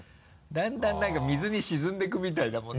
だんだん何か水に沈んでいくみたいだもん